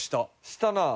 したなあ。